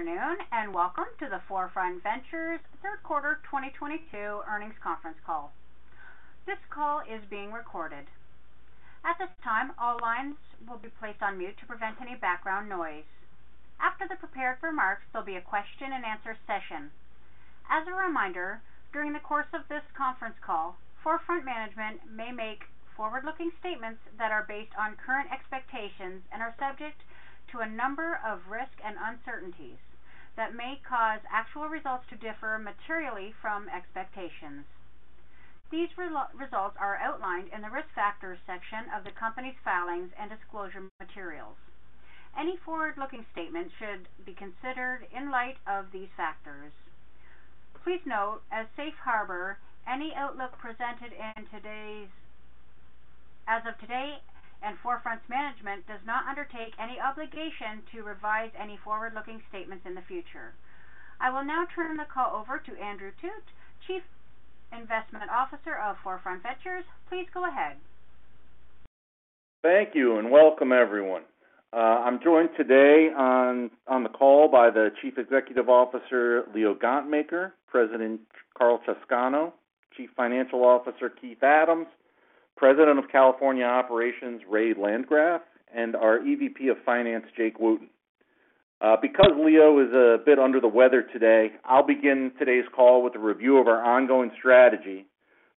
Good afternoon, and welcome to the 4Front Ventures third quarter 2022 earnings conference call. This call is being recorded. At this time, all lines will be placed on mute to prevent any background noise. After the prepared remarks, there'll be a question and answer session. As a reminder, during the course of this conference call, 4Front Management may make forward-looking statements that are based on current expectations and are subject to a number of risks and uncertainties that may cause actual results to differ materially from expectations. These results are outlined in the Risk Factors section of the company's filings and disclosure materials. Any forward-looking statement should be considered in light of these factors. Please note, as Safe Harbor, any outlook presented as of today and 4Front's management does not undertake any obligation to revise any forward-looking statements in the future. I will now turn the call over to Andrew Thut, Chief Investment Officer of 4Front Ventures. Please go ahead. Thank you, and welcome, everyone. I'm joined today on the call by the Chief Executive Officer, Leo Gontmakher, President Karl Chowscano, Chief Financial Officer, Keith Adams, President of California Operations, Ray Landgraf, and our EVP of Finance, Jake Wooten. Because Leo is a bit under the weather today, I'll begin today's call with a review of our ongoing strategy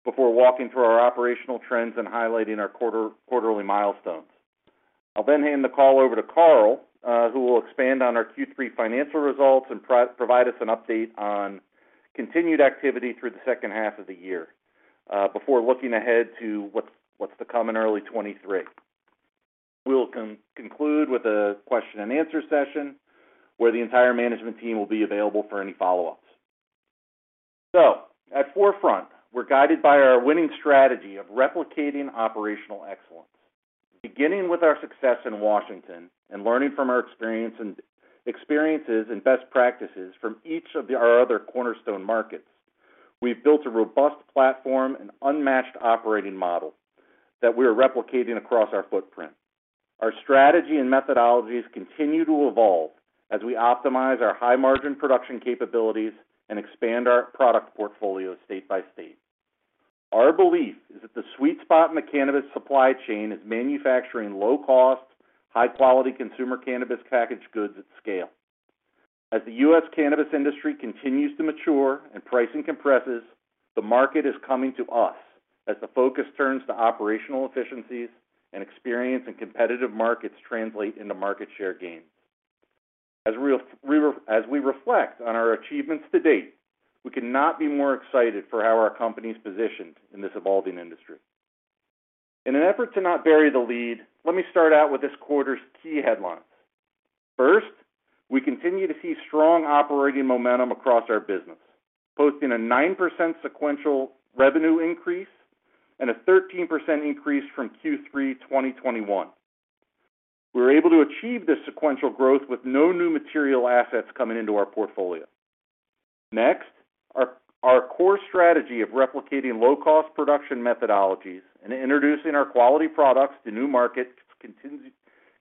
before walking through our operational trends and highlighting our quarterly milestones. I'll then hand the call over to Karl, who will expand on our Q3 financial results and provide us an update on continued activity through the second half of the year, before looking ahead to what's to come in early 2023. We'll conclude with a question and answer session, where the entire management team will be available for any follow-ups. At 4Front, we're guided by our winning strategy of replicating operational excellence. Beginning with our success in Washington and learning from our experiences and best practices from each of our other cornerstone markets, we've built a robust platform and unmatched operating model that we are replicating across our footprint. Our strategy and methodologies continue to evolve as we optimize our high-margin production capabilities and expand our product portfolio state by state. Our belief is that the sweet spot in the cannabis supply chain is manufacturing low-cost, high-quality consumer cannabis packaged goods at scale. As the U.S. cannabis industry continues to mature and pricing compresses, the market is coming to us as the focus turns to operational efficiencies and experience and competitive markets translate into market share gains. As we reflect on our achievements to date, we cannot be more excited for how our company's positioned in this evolving industry. In an effort to not bury the lead, let me start out with this quarter's key headlines. First, we continue to see strong operating momentum across our business, posting a 9% sequential revenue increase and a 13% increase from Q3 2021. We were able to achieve this sequential growth with no new material assets coming into our portfolio. Next, our core strategy of replicating low-cost production methodologies and introducing our quality products to new markets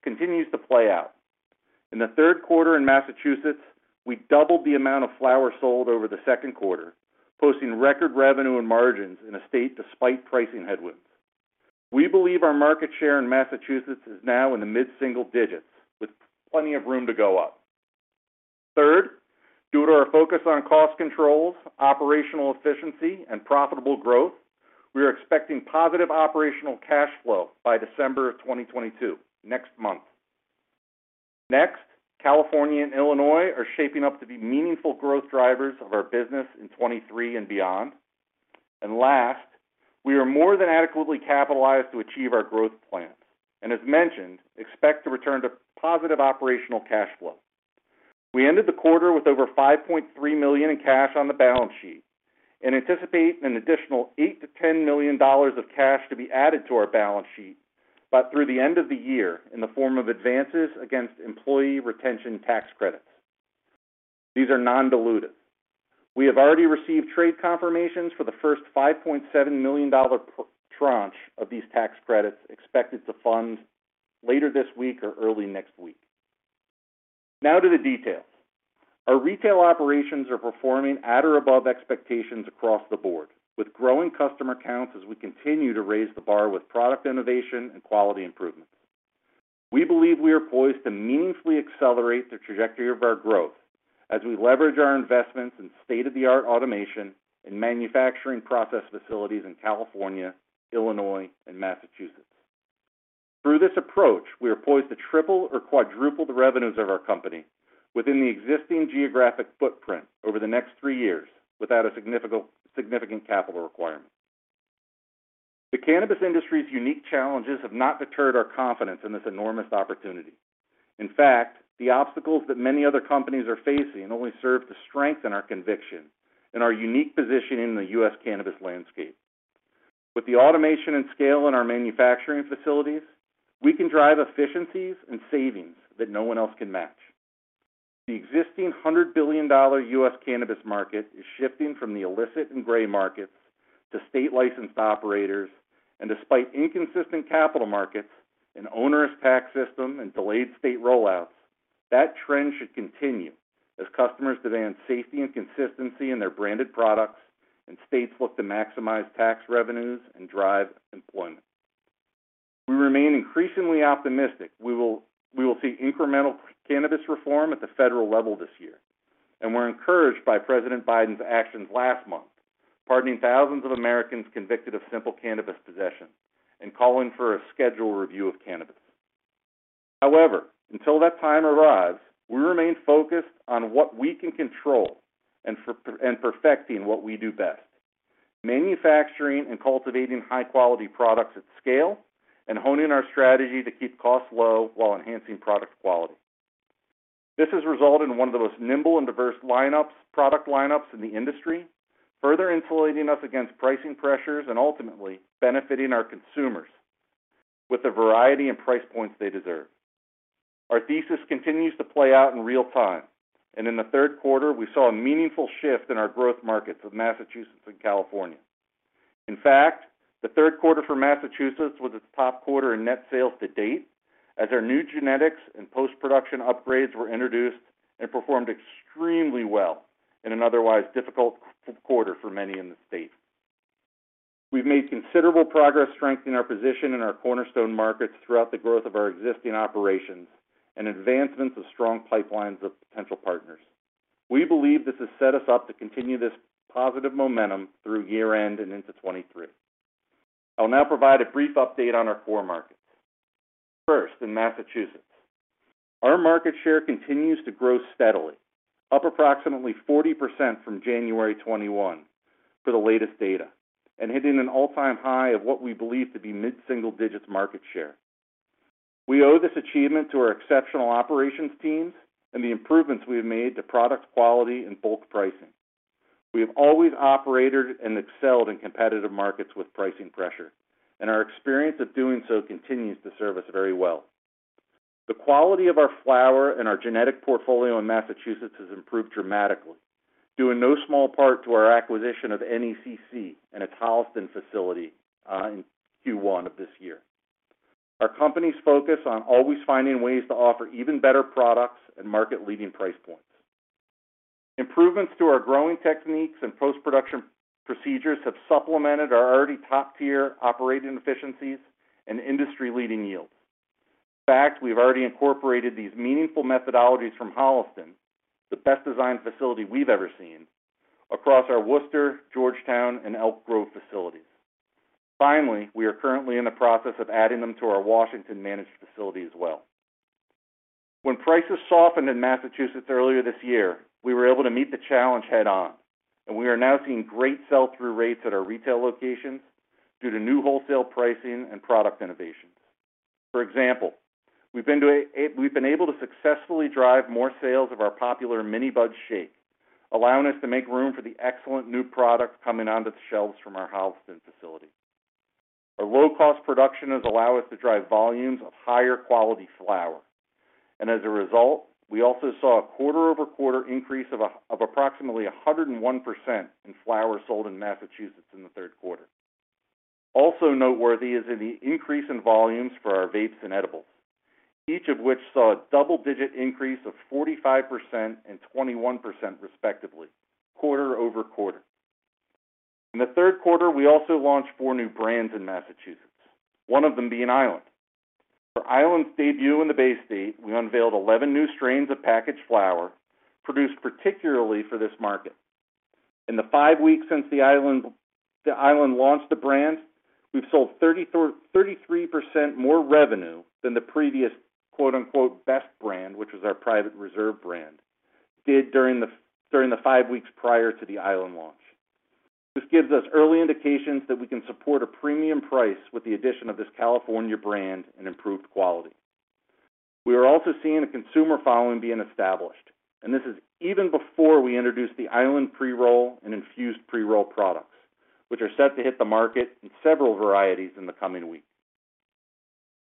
continues to play out. In the third quarter in Massachusetts, we doubled the amount of flower sold over the second quarter, posting record revenue and margins in a state despite pricing headwinds. We believe our market share in Massachusetts is now in the mid-single digits, with plenty of room to go up. Third, due to our focus on cost controls, operational efficiency, and profitable growth, we are expecting positive operational cash flow by December of 2022, next month. Next, California and Illinois are shaping up to be meaningful growth drivers of our business in 2023 and beyond. Last, we are more than adequately capitalized to achieve our growth plans and, as mentioned, expect to return to positive operational cash flow. We ended the quarter with over $5.3 million in cash on the balance sheet and anticipate an additional $8 million-$10 million of cash to be added to our balance sheet by the end of the year in the form of advances against Employee Retention Tax Credits. These are non-dilutive. We have already received trade confirmations for the first $5.7 million tranche of these tax credits expected to fund later this week or early next week. Now to the details. Our retail operations are performing at or above expectations across the board, with growing customer counts as we continue to raise the bar with product innovation and quality improvements. We believe we are poised to meaningfully accelerate the trajectory of our growth as we leverage our investments in state-of-the-art automation and manufacturing process facilities in California, Illinois, and Massachusetts. Through this approach, we are poised to triple or quadruple the revenues of our company within the existing geographic footprint over the next three years without a significant capital requirement. The cannabis industry's unique challenges have not deterred our confidence in this enormous opportunity. In fact, the obstacles that many other companies are facing only serve to strengthen our conviction and our unique position in the U.S. cannabis landscape. With the automation and scale in our manufacturing facilities, we can drive efficiencies and savings that no one else can match. The existing $100 billion U.S. cannabis market is shifting from the illicit and gray markets to state licensed operators, and despite inconsistent capital markets, an onerous tax system, and delayed state rollouts, that trend should continue as customers demand safety and consistency in their branded products, and states look to maximize tax revenues and drive employment. We remain increasingly optimistic we will see incremental cannabis reform at the federal level this year, and we're encouraged by President Biden's actions last month, pardoning thousands of Americans convicted of simple cannabis possession and calling for a schedule review of cannabis. However, until that time arrives, we remain focused on what we can control and perfecting what we do best, manufacturing and cultivating high-quality products at scale and honing our strategy to keep costs low while enhancing product quality. This has resulted in one of the most nimble and diverse lineups, product lineups in the industry, further insulating us against pricing pressures and ultimately benefiting our consumers with the variety and price points they deserve. Our thesis continues to play out in real time, and in the third quarter, we saw a meaningful shift in our growth markets of Massachusetts and California. In fact, the third quarter for Massachusetts was its top quarter in net sales to date, as our new genetics and post-production upgrades were introduced and performed extremely well in an otherwise difficult quarter for many in the state. We've made considerable progress strengthening our position in our cornerstone markets throughout the growth of our existing operations and advancements of strong pipelines of potential partners. We believe this has set us up to continue this positive momentum through year-end and into 2023. I'll now provide a brief update on our core markets. First, in Massachusetts, our market share continues to grow steadily, up approximately 40% from January 2021 for the latest data and hitting an all-time high of what we believe to be mid-single digits market share. We owe this achievement to our exceptional operations teams and the improvements we have made to product quality and bulk pricing. We have always operated and excelled in competitive markets with pricing pressure, and our experience of doing so continues to serve us very well. The quality of our flower and our genetic portfolio in Massachusetts has improved dramatically, due in no small part to our acquisition of NECC and its Holliston facility, in Q1 of this year. Our company's focus on always finding ways to offer even better products and market-leading price points. Improvements to our growing techniques and post-production procedures have supplemented our already top-tier operating efficiencies and industry-leading yields. In fact, we've already incorporated these meaningful methodologies from Holliston, the best designed facility we've ever seen, across our Worcester, Georgetown, and Elk Grove facilities. Finally, we are currently in the process of adding them to our Washington managed facility as well. When prices softened in Massachusetts earlier this year, we were able to meet the challenge head-on, and we are now seeing great sell-through rates at our retail locations due to new wholesale pricing and product innovations. For example, we've been able to successfully drive more sales of our popular mini bud shape, allowing us to make room for the excellent new products coming onto the shelves from our Holliston facility. Our low-cost production has allowed us to drive volumes of higher quality flower. As a result, we also saw a quarter-over-quarter increase of approximately 101% in flower sold in Massachusetts in the third quarter. Also noteworthy is the increase in volumes for our vapes and edibles, each of which saw a double-digit increase of 45% and 21% respectively, quarter-over-quarter. In the third quarter, we also launched four new brands in Massachusetts, one of them being Island. For Island's debut in the Bay State, we unveiled 11 new strains of packaged flower produced particularly for this market. In the five weeks since the Island launched the brand, we've sold 33% more revenue than the previous, quote, unquote, "best brand," which was our Private Reserve brand, did during the five weeks prior to the Island launch. This gives us early indications that we can support a premium price with the addition of this California brand and improved quality. We are also seeing a consumer following being established, and this is even before we introduced the Island pre-roll and infused pre-roll products, which are set to hit the market in several varieties in the coming weeks.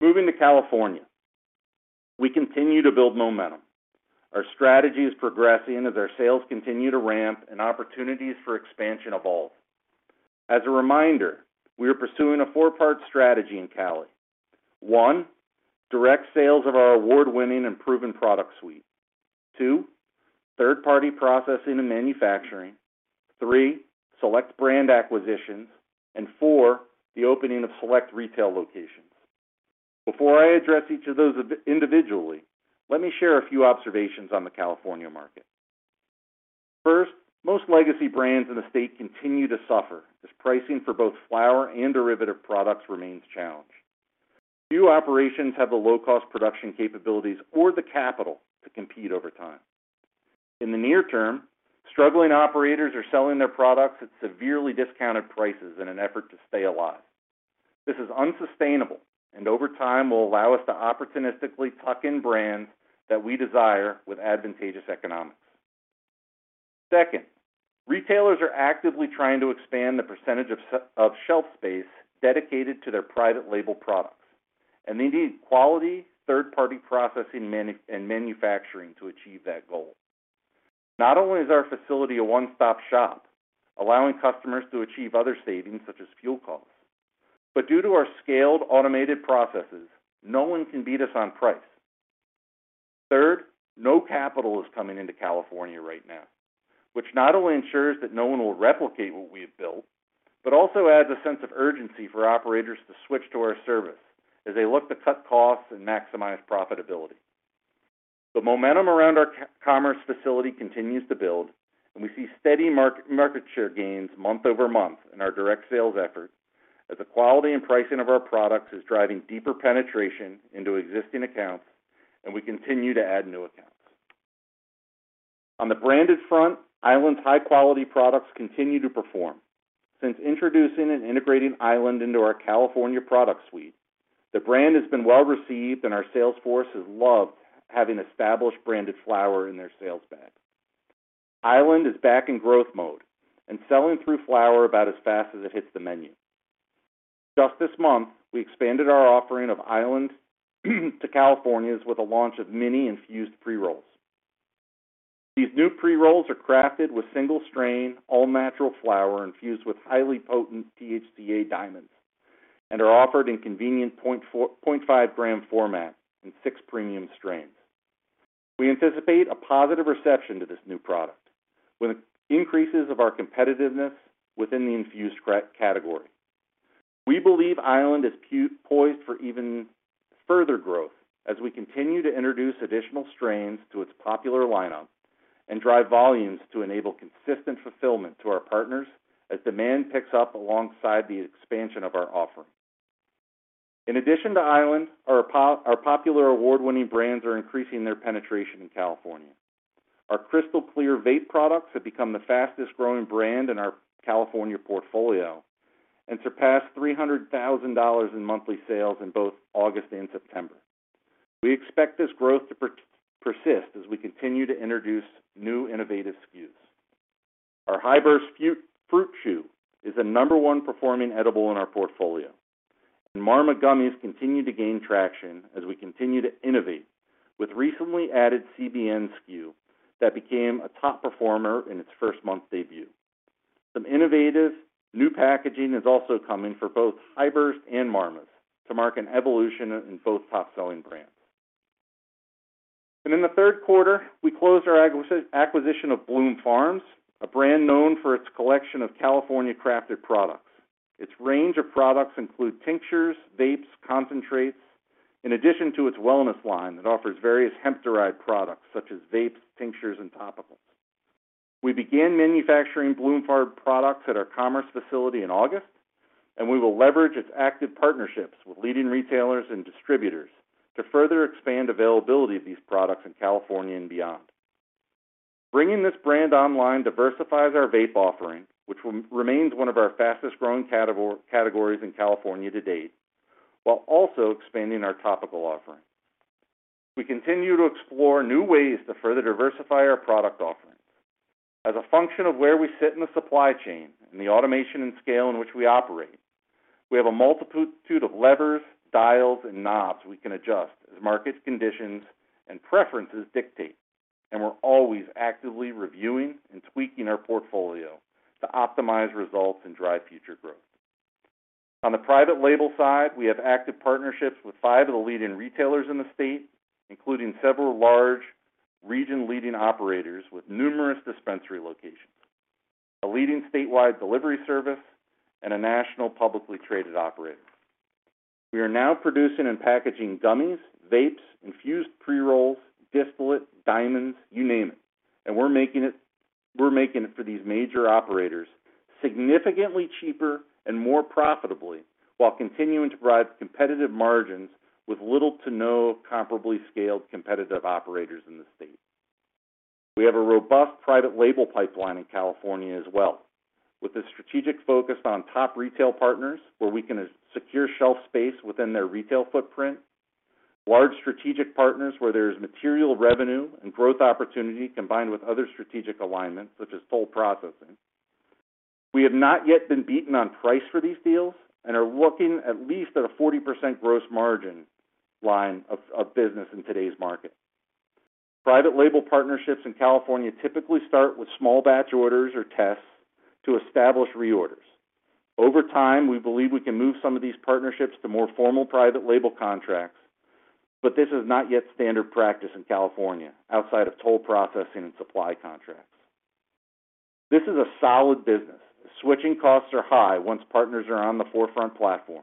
Moving to California, we continue to build momentum. Our strategy is progressing as our sales continue to ramp and opportunities for expansion evolve. As a reminder, we are pursuing a four-part strategy in Cali. One, direct sales of our award-winning and proven product suite. Two, third-party processing and manufacturing. Three, select brand acquisitions. Four, the opening of select retail locations. Before I address each of those individually, let me share a few observations on the California market. First, most legacy brands in the state continue to suffer as pricing for both flower and derivative products remains challenged. Few operations have the low-cost production capabilities or the capital to compete over time. In the near term, struggling operators are selling their products at severely discounted prices in an effort to stay alive. This is unsustainable and over time will allow us to opportunistically tuck in brands that we desire with advantageous economics. Second, retailers are actively trying to expand the percentage of shelf space dedicated to their private label products, and they need quality third-party processing and manufacturing to achieve that goal. Not only is our facility a one-stop shop, allowing customers to achieve other savings such as fuel costs, but due to our scaled automated processes, no one can beat us on price. Third, no capital is coming into California right now, which not only ensures that no one will replicate what we have built, but also adds a sense of urgency for operators to switch to our service as they look to cut costs and maximize profitability. The momentum around our Commerce facility continues to build, and we see steady market share gains month-over-month in our direct sales effort as the quality and pricing of our products is driving deeper penetration into existing accounts, and we continue to add new accounts. On the branded front, Island's high-quality products continue to perform. Since introducing and integrating Island into our California product suite, the brand has been well-received, and our sales force has loved having established branded flower in their sales bag. Island is back in growth mode and selling through flower about as fast as it hits the menu. Just this month, we expanded our offering of Island to California with the launch of mini infused pre-rolls. These new pre-rolls are crafted with single-strain, all-natural flower infused with highly potent THCA diamonds and are offered in convenient 0.5 g format in six premium strains. We anticipate a positive reception to this new product, with increases of our competitiveness within the infused category. We believe Island is poised for even further growth as we continue to introduce additional strains to its popular lineup and drive volumes to enable consistent fulfillment to our partners as demand picks up alongside the expansion of our offering. In addition to Island, our popular award-winning brands are increasing their penetration in California. Our Crystal Clear vape products have become the fastest-growing brand in our California portfolio and surpassed $300,000 in monthly sales in both August and September. We expect this growth to persist as we continue to introduce new innovative SKUs. Our High Burst Fruit Chew is the number one performing edible in our portfolio, and Marmas continue to gain traction as we continue to innovate with recently added CBN SKU that became a top performer in its first-month debut. Some innovative new packaging is also coming for both High Burst and Marmas to mark an evolution in both top-selling brands. In the third quarter, we closed our acquisition of Bloom Farms, a brand known for its collection of California-crafted products. Its range of products include tinctures, vapes, concentrates, in addition to its wellness line that offers various hemp-derived products such as vapes, tinctures, and topicals. We began manufacturing Bloom Farms products at our Commerce facility in August, and we will leverage its active partnerships with leading retailers and distributors to further expand availability of these products in California and beyond. Bringing this brand online diversifies our vape offering, which remains one of our fastest-growing categories in California to date, while also expanding our topical offering. We continue to explore new ways to further diversify our product offerings. As a function of where we sit in the supply chain and the automation and scale in which we operate, we have a multitude of levers, dials, and knobs we can adjust as market conditions and preferences dictate, and we're always actively reviewing and tweaking our portfolio to optimize results and drive future growth. On the private label side, we have active partnerships with five of the leading retailers in the state, including several large region-leading operators with numerous dispensary locations, a leading statewide delivery service, and a national publicly traded operator. We are now producing and packaging gummies, vapes, infused pre-rolls, distillate, diamonds, you name it, and we're making it for these major operators significantly cheaper and more profitably while continuing to provide competitive margins with little to no comparably scaled competitive operators in the state. We have a robust private label pipeline in California as well, with a strategic focus on top retail partners where we can secure shelf space within their retail footprint, large strategic partners where there is material revenue and growth opportunity combined with other strategic alignments, such as toll processing. We have not yet been beaten on price for these deals and are looking at least at a 40% gross margin line of business in today's market. Private label partnerships in California typically start with small batch orders or tests to establish reorders. Over time, we believe we can move some of these partnerships to more formal private label contracts, this is not yet standard practice in California outside of toll processing and supply contracts. This is a solid business. Switching costs are high once partners are on the 4Front platform.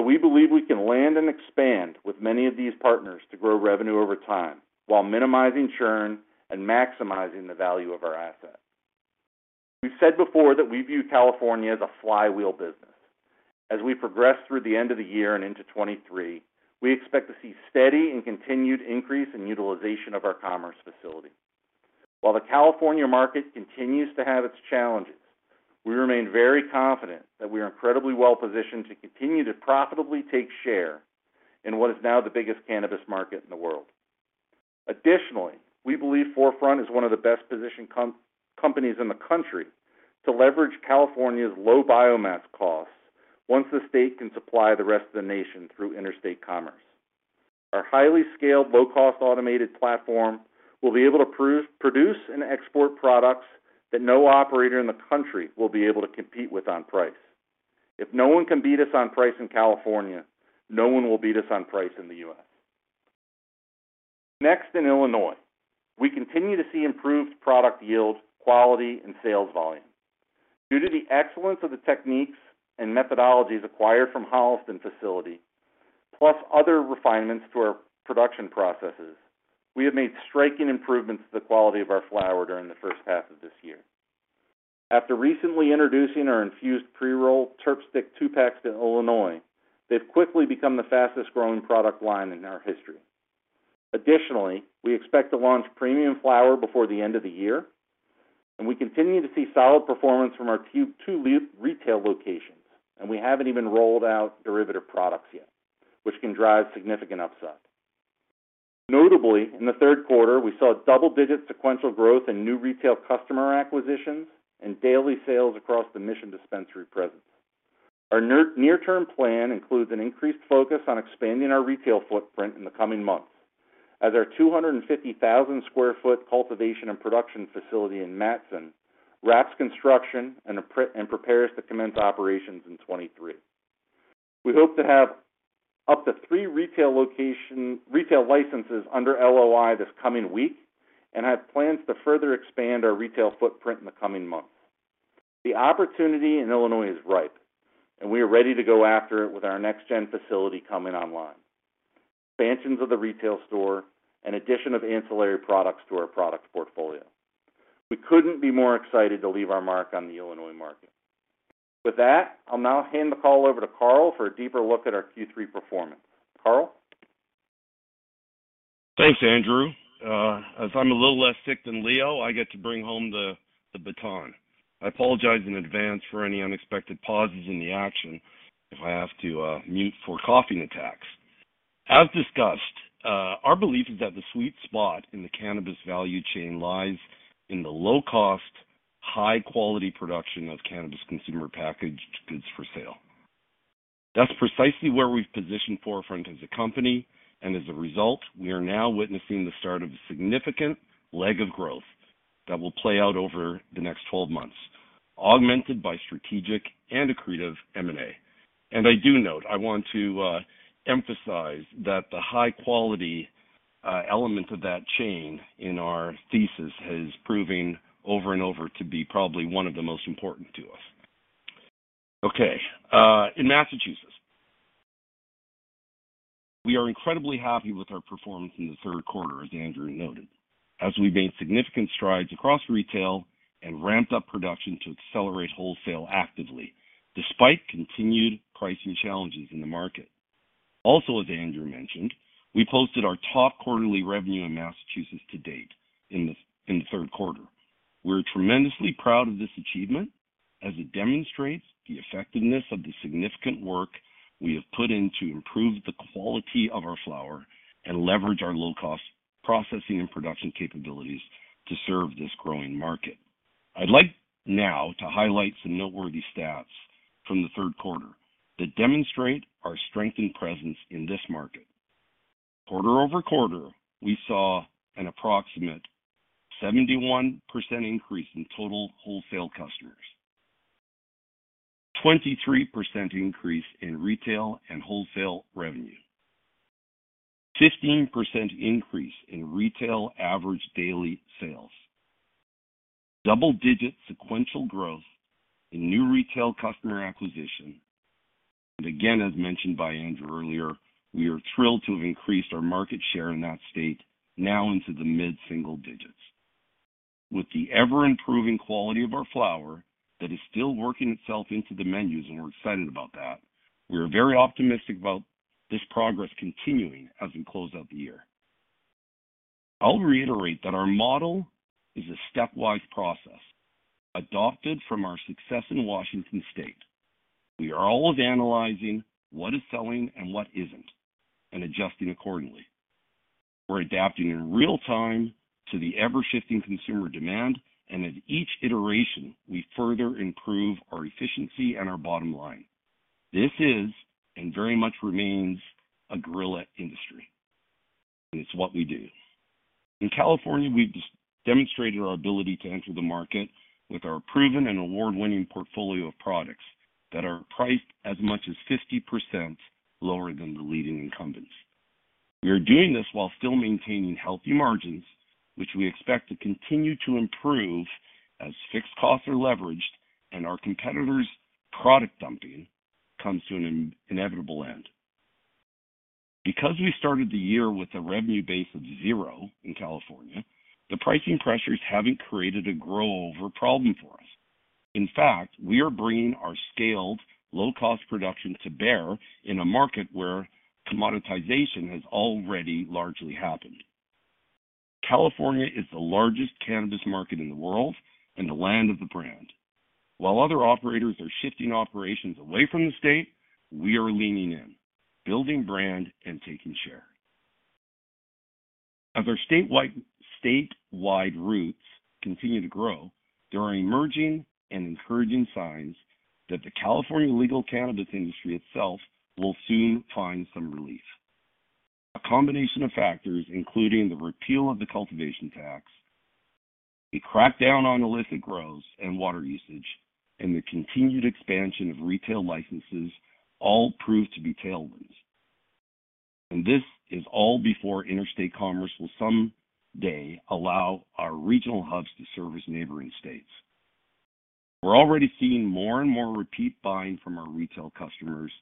We believe we can land and expand with many of these partners to grow revenue over time while minimizing churn and maximizing the value of our assets. We've said before that we view California as a flywheel business. As we progress through the end of the year and into 2023, we expect to see steady and continued increase in utilization of our Commerce facility. While the California market continues to have its challenges, we remain very confident that we are incredibly well-positioned to continue to profitably take share in what is now the biggest cannabis market in the world. Additionally, we believe 4Front is one of the best-positioned companies in the country to leverage California's low biomass costs once the state can supply the rest of the nation through interstate commerce. Our highly scaled, low-cost automated platform will be able to produce and export products that no operator in the country will be able to compete with on price. If no one can beat us on price in California, no one will beat us on price in the U.S. Next, in Illinois, we continue to see improved product yield, quality, and sales volume. Due to the excellence of the techniques and methodologies acquired from Holliston facility, plus other refinements to our production processes, we have made striking improvements to the quality of our flower during the first half of this year. After recently introducing our infused pre-roll Terp Stix two packs to Illinois, they've quickly become the fastest-growing product line in our history. Additionally, we expect to launch premium flower before the end of the year, and we continue to see solid performance from our two retail locations, and we haven't even rolled out derivative products yet, which can drive significant upside. Notably, in the third quarter, we saw double-digit sequential growth in new retail customer acquisitions and daily sales across the Mission Dispensary presence. Our near-term plan includes an increased focus on expanding our retail footprint in the coming months as our 250,000 sq ft cultivation and production facility in Matteson wraps construction and prepares to commence operations in 2023. We hope to have up to three retail licenses under LOI this coming week and have plans to further expand our retail footprint in the coming months. The opportunity in Illinois is ripe, and we are ready to go after it with our next-gen facility coming online, expansions of the retail store, and addition of ancillary products to our product portfolio. We couldn't be more excited to leave our mark on the Illinois market. With that, I'll now hand the call over to Karl for a deeper look at our Q3 performance. Karl. Thanks, Andrew. As I'm a little less sick than Leo, I get to bring home the baton. I apologize in advance for any unexpected pauses in the action if I have to mute for coughing attacks. As discussed, our belief is that the sweet spot in the cannabis value chain lies in the low-cost, high-quality production of cannabis consumer packaged goods for sale. That's precisely where we've positioned 4Front as a company, and as a result, we are now witnessing the start of a significant leg of growth that will play out over the next 12 months, augmented by strategic and accretive M&A. I do note, I want to emphasize that the high-quality element of that chain in our thesis is proving over and over to be probably one of the most important to us. Okay, in Massachusetts. We are incredibly happy with our performance in the third quarter, as Andrew noted, as we made significant strides across retail and ramped up production to accelerate wholesale activity despite continued pricing challenges in the market. As Andrew mentioned, we posted our top quarterly revenue in Massachusetts to date in the third quarter. We're tremendously proud of this achievement as it demonstrates the effectiveness of the significant work we have put in to improve the quality of our flower and leverage our low-cost processing and production capabilities to serve this growing market. I'd like now to highlight some noteworthy stats from the third quarter that demonstrate our strength and presence in this market. Quarter-over-quarter, we saw an approximate 71% increase in total wholesale customers. 23% increase in retail and wholesale revenue. 15% increase in retail average daily sales. Double-digit sequential growth in new retail customer acquisition. Again, as mentioned by Andrew earlier, we are thrilled to have increased our market share in that state now into the mid-single digits. With the ever-improving quality of our flower that is still working itself into the menus, and we're excited about that, we are very optimistic about this progress continuing as we close out the year. I'll reiterate that our model is a stepwise process adopted from our success in Washington State. We are always analyzing what is selling and what isn't, and adjusting accordingly. We're adapting in real-time to the ever-shifting consumer demand, and at each iteration, we further improve our efficiency and our bottom line. This is, and very much remains, a guerrilla industry. It is what we do. In California, we've demonstrated our ability to enter the market with our proven and award-winning portfolio of products that are priced as much as 50% lower than the leading incumbents. We are doing this while still maintaining healthy margins, which we expect to continue to improve as fixed costs are leveraged and our competitors' product dumping comes to an inevitable end. Because we started the year with a revenue base of zero in California, the pricing pressures haven't created a grow-over problem for us. In fact, we are bringing our scaled low-cost production to bear in a market where commoditization has already largely happened. California is the largest cannabis market in the world and the land of the brand. While other operators are shifting operations away from the state, we are leaning in, building brand, and taking share. As our statewide roots continue to grow, there are emerging and encouraging signs that the California legal cannabis industry itself will soon find some relief. A combination of factors, including the repeal of the cultivation tax, a crackdown on illicit grows and water usage, and the continued expansion of retail licenses all prove to be tailwinds. This is all before interstate commerce will someday allow our regional hubs to service neighboring states. We're already seeing more and more repeat buying from our retail customers,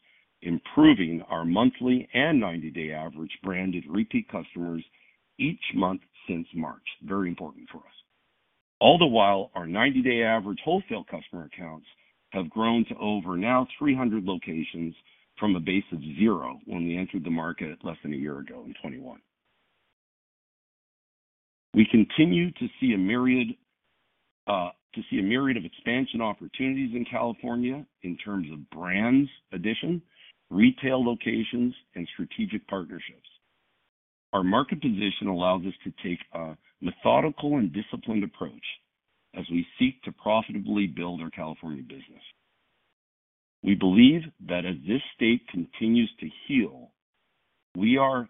improving our monthly and 90-day average branded repeat customers each month since March. Very important for us. All the while, our ninety-day average wholesale customer accounts have grown to over now 300 locations from a base of zero when we entered the market less than a year ago in 2021. We continue to see a myriad of expansion opportunities in California in terms of brands addition, retail locations, and strategic partnerships. Our market position allows us to take a methodical and disciplined approach as we seek to profitably build our California business. We believe that as this state continues to heal, we are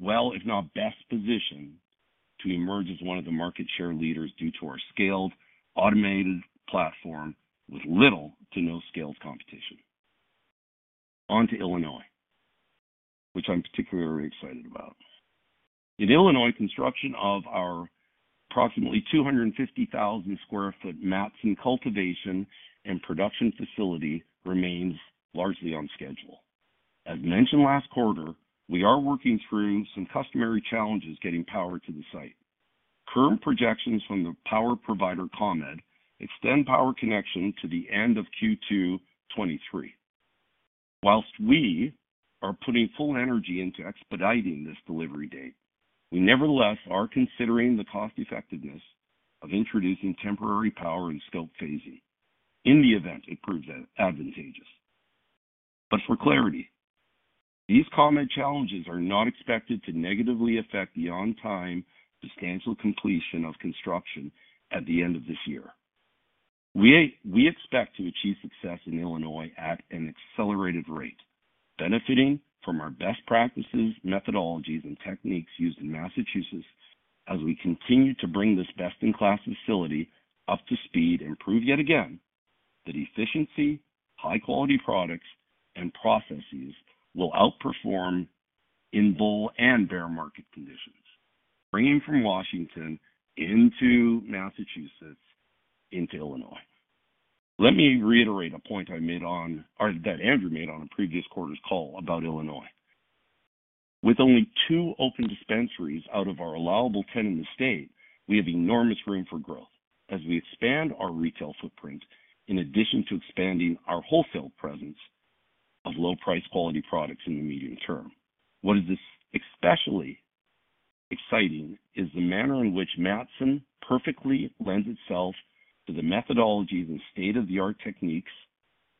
well, if not best positioned, to emerge as one of the market share leaders due to our scaled automated platform with little to no scaled competition. On to Illinois, which I'm particularly excited about. In Illinois, construction of our approximately 250,000 sq ft Matteson cultivation and production facility remains largely on schedule. As mentioned last quarter, we are working through some customary challenges getting power to the site. Current projections from the power provider, ComEd, extend power connection to the end of Q2 2023. While we are putting full energy into expediting this delivery date, we nevertheless are considering the cost-effectiveness of introducing temporary power and scope phasing in the event it proves advantageous. For clarity, these ComEd challenges are not expected to negatively affect the on-time substantial completion of construction at the end of this year. We expect to achieve success in Illinois at an accelerated rate, benefiting from our best practices, methodologies, and techniques used in Massachusetts as we continue to bring this best-in-class facility up to speed and prove yet again that efficiency, high-quality products, and processes will outperform in bull and bear market conditions, bringing from Washington into Massachusetts into Illinois. Let me reiterate a point I made or that Andrew made on a previous quarter's call about Illinois. With only two open dispensaries out of our allowable 10 in the state, we have enormous room for growth as we expand our retail footprint in addition to expanding our wholesale presence of low-price quality products in the medium term. What is especially exciting is the manner in which Matteson perfectly lends itself to the methodologies and state-of-the-art techniques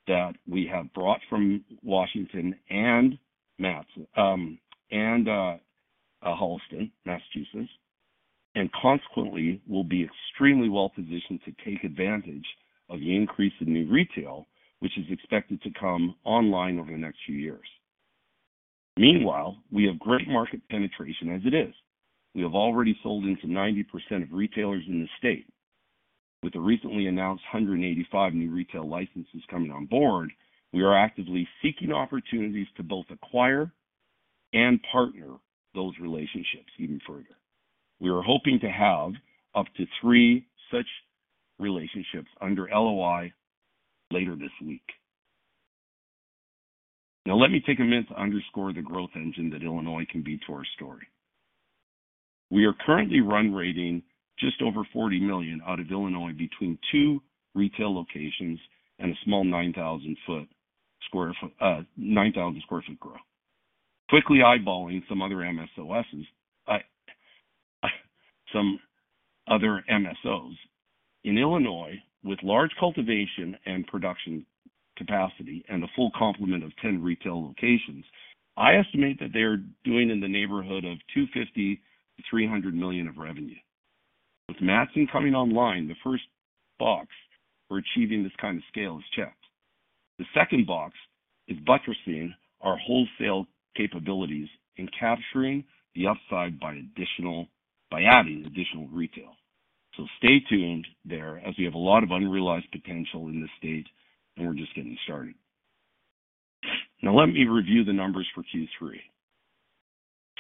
that we have brought from Washington and Holliston, Massachusetts, and consequently will be extremely well-positioned to take advantage of the increase in new retail, which is expected to come online over the next few years. Meanwhile, we have great market penetration as it is. We have already sold into 90% of retailers in the state. With the recently announced 185 new retail licenses coming on board, we are actively seeking opportunities to both acquire and partner those relationships even further. We are hoping to have up to three such relationships under LOI later this week. Now let me take a minute to underscore the growth engine that Illinois can be to our story. We are currently run-rating just over $40 million out of Illinois between two retail locations and a small 9,000 sq ft grow. Quickly eyeballing some other MSOs in Illinois, with large cultivation and production capacity and a full complement of 10 retail locations, I estimate that they are doing in the neighborhood of $250 million-$300 million of revenue. With Matteson coming online, the first box for achieving this kind of scale is checked. The second box is buttressing our wholesale capabilities and capturing the upside by adding additional retail. Stay tuned there as we have a lot of unrealized potential in this state, and we're just getting started. Now let me review the numbers for Q3.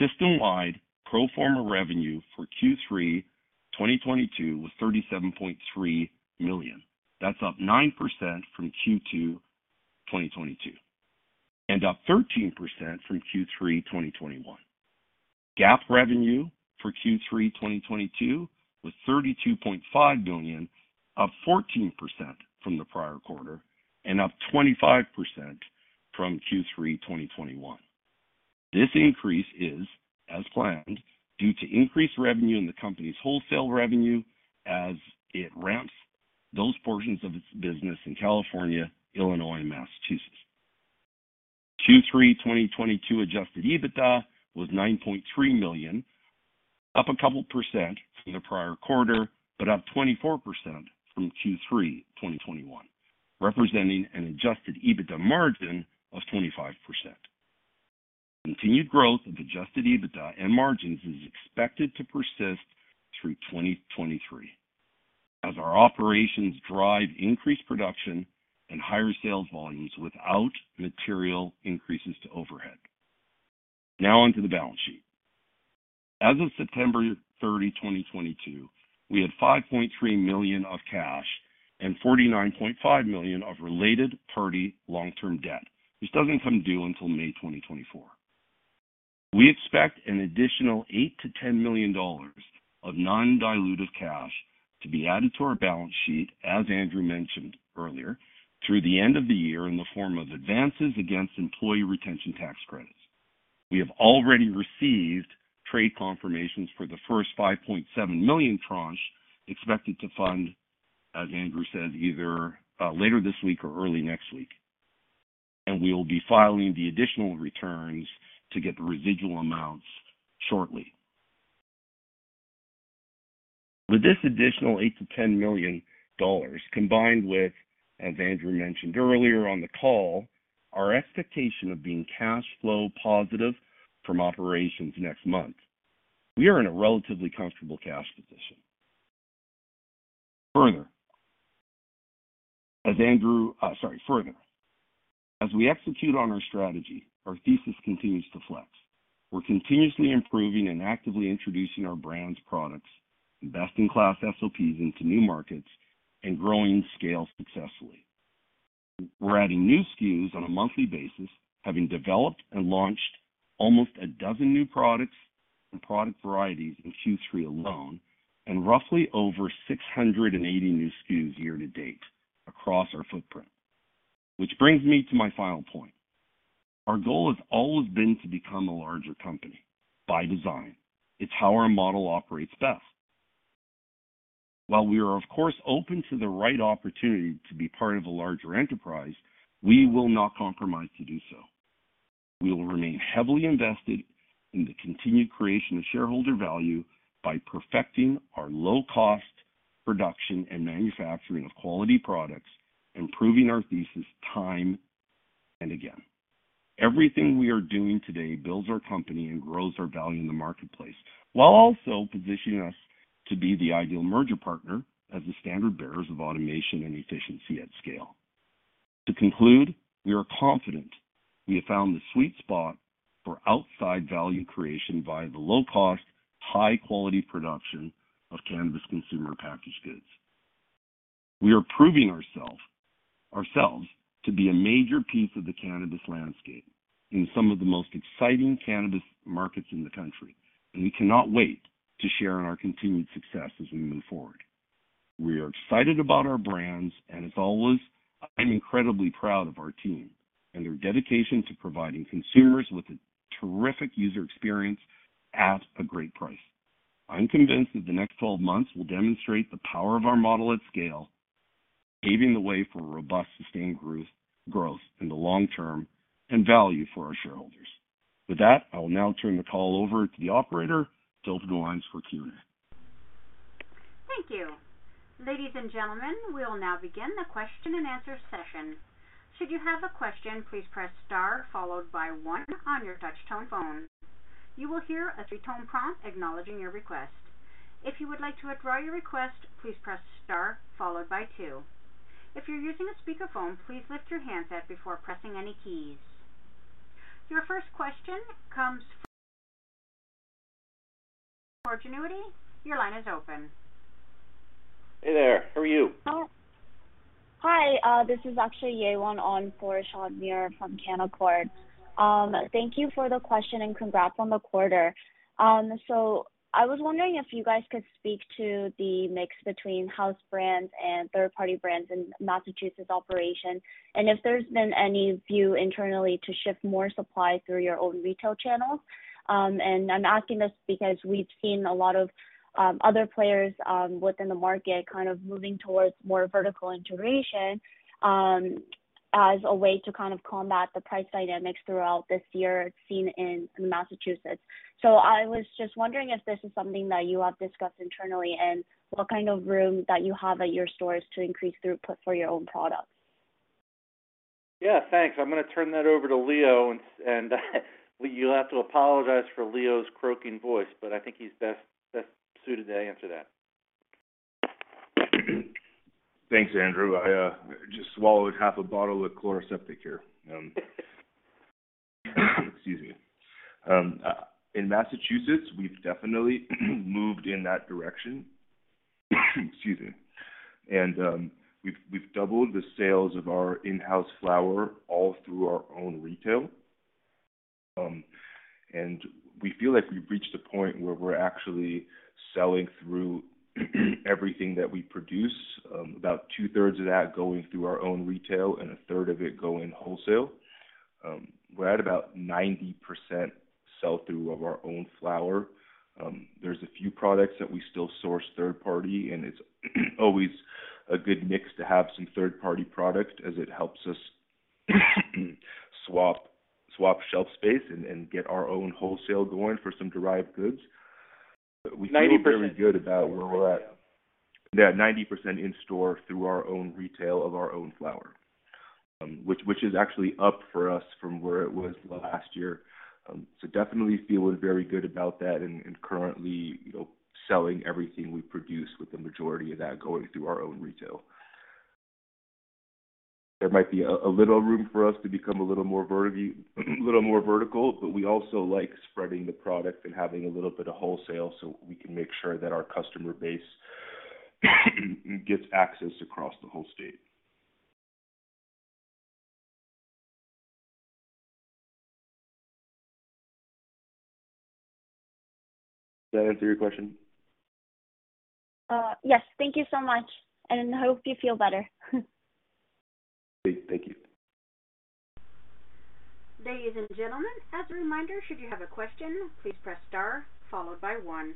System-wide pro forma revenue for Q3 2022 was $37.3 million. That's up 9% from Q2 2022, and up 13% from Q3 2021. GAAP revenue for Q3 2022 was $32.5 million, up 14% from the prior quarter and up 25% from Q3 2021. This increase is, as planned, due to increased revenue in the company's wholesale revenue as it ramps those portions of its business in California, Illinois, and Massachusetts. Q3 2022 adjusted EBITDA was $9.3 million, up a couple of percent from the prior quarter, but up 24% from Q3 2021, representing an adjusted EBITDA margin of 25%. Continued growth of adjusted EBITDA and margins is expected to persist through 2023 as our operations drive increased production and higher sales volumes without material increases to overhead. Now on to the balance sheet. As of September 30, 2022, we had $5.3 million of cash and $49.5 million of related party long-term debt, which doesn't come due until May 2024. We expect an additional $8 million-$10 million of non-dilutive cash to be added to our balance sheet, as Andrew mentioned earlier, through the end of the year in the form of advances against Employee Retention Tax Credit. We have already received trade confirmations for the first $5.7 million tranche expected to fund, as Andrew said, either later this week or early next week, and we will be filing the additional returns to get the residual amounts shortly. With this additional $8 million-$10 million combined with, as Andrew mentioned earlier on the call, our expectation of being cash flow positive from operations next month, we are in a relatively comfortable cash position. Further, as we execute on our strategy, our thesis continues to flex. We're continuously improving and actively introducing our brands, products, and best-in-class SOPs into new markets and growing scale successfully. We're adding new SKUs on a monthly basis, having developed and launched almost a dozen new products and product varieties in Q3 alone, and roughly over 680 new SKUs year to date across our footprint. Which brings me to my final point. Our goal has always been to become a larger company by design. It's how our model operates best. While we are, of course, open to the right opportunity to be part of a larger enterprise, we will not compromise to do so. We will remain heavily invested in the continued creation of shareholder value by perfecting our low-cost production and manufacturing of quality products, improving our thesis time and again. Everything we are doing today builds our company and grows our value in the marketplace, while also positioning us to be the ideal merger partner as the standard-bearers of automation and efficiency at scale. To conclude, we are confident we have found the sweet spot for outside value creation via the low-cost, high-quality production of cannabis consumer packaged goods. We are proving ourselves to be a major piece of the cannabis landscape in some of the most exciting cannabis markets in the country, and we cannot wait to share in our continued success as we move forward. We are excited about our brands, and as always, I'm incredibly proud of our team and their dedication to providing consumers with a terrific user experience at a great price. I'm convinced that the next 12 months will demonstrate the power of our model at scale, paving the way for robust, sustained growth in the long term and value for our shareholders. With that, I will now turn the call over to the operator to open the lines for Q&A. Thank you. Ladies and gentlemen, we will now begin the question and answer session. Should you have a question, please press star followed by one on your touch tone phone. You will hear a three-tone prompt acknowledging your request. If you would like to withdraw your request, please press star followed by two. If you're using a speakerphone, please lift your handset before pressing any keys. Your first question comes from Canaccord Genuity. Your line is open. Hey there. How are you? Hi. This is actually Yewon Kang for Sean Muir from Canaccord Genuity. Thank you for the question, and congrats on the quarter. I was wondering if you guys could speak to the mix between house brands and third-party brands in Massachusetts operation, and if there's been any move internally to shift more supply through your own retail channels. I'm asking this because we've seen a lot of other players within the market kind of moving towards more vertical integration as a way to kind of combat the price dynamics throughout this year seen in Massachusetts. I was just wondering if this is something that you have discussed internally and what kind of room that you have at your stores to increase throughput for your own products. Yeah. Thanks. I'm going to turn that over to Leo. You'll have to apologize for Leo's croaking voice, but I think he's best suited to answer that. Thanks, Andrew. I just swallowed half a bottle of Chloraseptic here. Excuse me. In Massachusetts, we've definitely moved in that direction. Excuse me. We've doubled the sales of our in-house flower all through our own retail. We feel like we've reached a point where we're actually selling through everything that we produce, about two-thirds of that going through our own retail and a third of it going wholesale. We're at about 90% Sell-through of our own flower. There's a few products that we still source third party, and it's always a good mix to have some third-party product as it helps us swap shelf space and get our own wholesale going for some derived goods. 90%. We feel very good about where we're at. Yeah, 90% in-store through our own retail of our own flower. Which is actually up for us from where it was last year. Definitely feeling very good about that and currently, you know, selling everything we produce with the majority of that going through our own retail. There might be a little room for us to become a little more vertical, but we also like spreading the product and having a little bit of wholesale so we can make sure that our customer base gets access across the whole state. Does that answer your question? Yes. Thank you so much, and hope you feel better. Thank you. Ladies and gentlemen, as a reminder, should you have a question, please press star followed by one.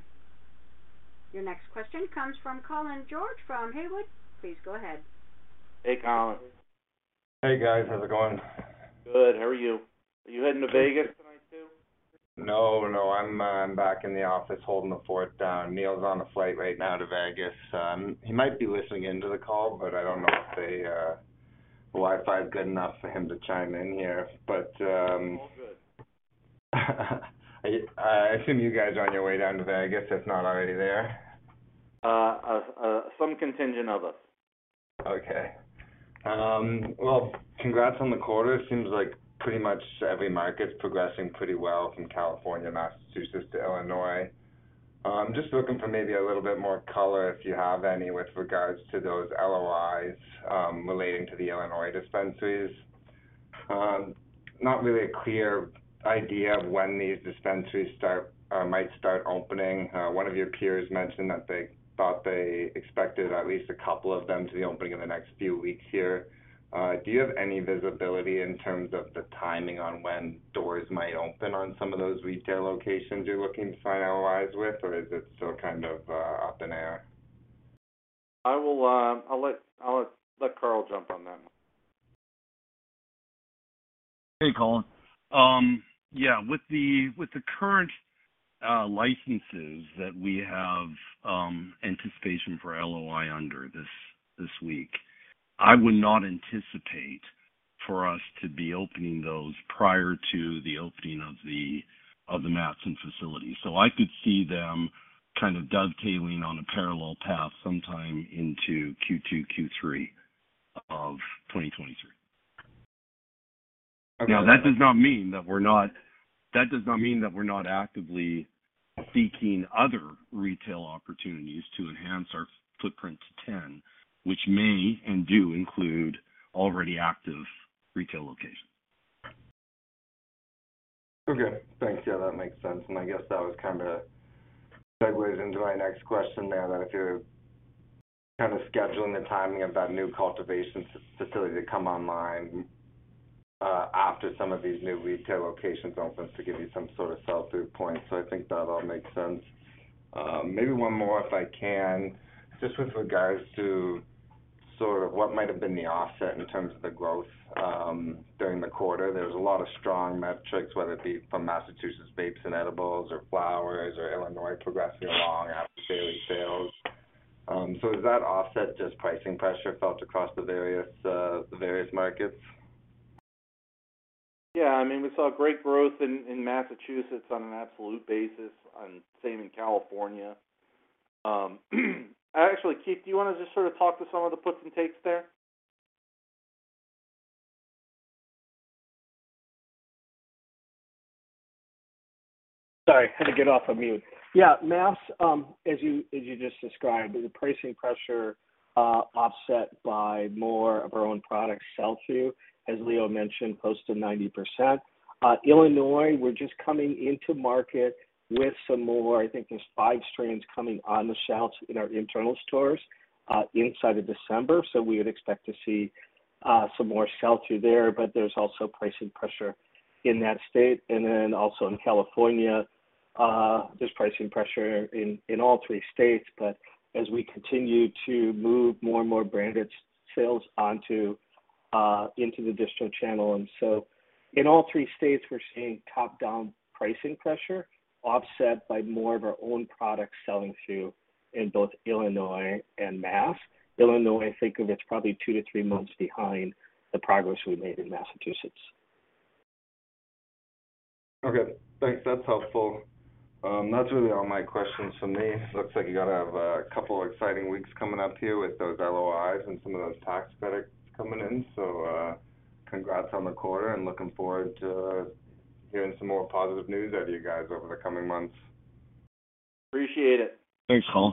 Your next question comes from Colin George from Haywood. Please go ahead. Hey, Colin. Hey, guys. How's it going? Good. How are you? Are you heading to Vegas tonight too? No, no. I'm back in the office holding the fort down. Neil's on a flight right now to Vegas, so he might be listening in to the call, but I don't know if the Wi-Fi is good enough for him to chime in here. All good. I assume you guys are on your way down to Vegas, if not already there. Some contingent of us. Okay. Well, congrats on the quarter. Seems like pretty much every market's progressing pretty well from California, Massachusetts to Illinois. Just looking for maybe a little bit more color, if you have any, with regards to those LOIs relating to the Illinois dispensaries. Not really a clear idea of when these dispensaries might start opening. One of your peers mentioned that they thought they expected at least a couple of them to be opening in the next few weeks here. Do you have any visibility in terms of the timing on when doors might open on some of those retail locations you're looking to sign LOIs with, or is it still kind of up in the air? I'll let Karl jump on that one. Hey, Colin. With the current licenses that we have, anticipation for LOI under this week, I would not anticipate for us to be opening those prior to the opening of the Matteson facility. I could see them kind of dovetailing on a parallel path sometime into Q2, Q3 of 2023. Now, that does not mean that we're not actively seeking other retail opportunities to enhance our footprint to 10, which may and do include already active retail locations. Okay, thanks. Yeah, that makes sense. I guess that was kinda segues into my next question there, that if you're kinda scheduling the timing of that new cultivation facility to come online after some of these new retail locations opens to give you some sort of sell-through point. I think that all makes sense. Maybe one more, if I can. Just with regards to sort of what might have been the offset in terms of the growth during the quarter. There was a lot of strong metrics, whether it be from Massachusetts vapes and edibles or flowers or Illinois progressing along after daily sales. Is that offset just pricing pressure felt across the various markets? Yeah. I mean, we saw great growth in Massachusetts on an absolute basis, and same in California. Actually, Keith, do you wanna just sort of talk to some of the puts and takes there? Sorry, had to get off of mute. Yeah, Mass, as you just described, the pricing pressure offset by more of our own products sell-through, as Leo mentioned, close to 90%. Illinois, we're just coming into market with some more I think there's five strains coming on the shelves in our internal stores inside of December, so we would expect to see some more sell-through there, but there's also pricing pressure in that state. In California, there's pricing pressure in all three states, but as we continue to move more and more branded sales into the distro channel. In all three states, we're seeing top-down pricing pressure offset by more of our own products selling through in both Illinois and Mass. Illinois, I think it's probably two-three months behind the progress we made in Massachusetts. Okay, thanks. That's helpful. That's really all my questions for me. Looks like you gotta have a couple exciting weeks coming up here with those LOIs and some of those tax credits coming in. Congrats on the quarter and looking forward to hearing some more positive news out of you guys over the coming months. Appreciate it. Thanks, Colin.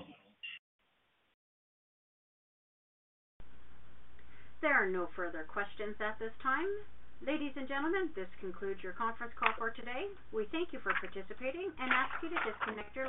There are no further questions at this time. Ladies and gentlemen, this concludes your conference call for today. We thank you for participating and ask you to disconnect your lines.